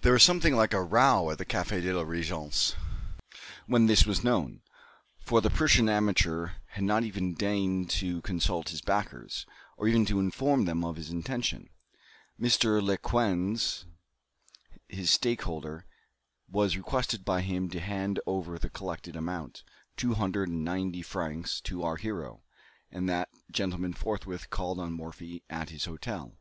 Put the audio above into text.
There was something like a row at the Café de la Régence when this was known, for the Prussian amateur had not even deigned to consult his backers, or even to inform them of his intention. Mr. Lequesne, his stake holder, was requested by him to hand over the collected amount, two hundred and ninety francs, to our hero, and that gentleman forthwith called on Morphy at his hotel.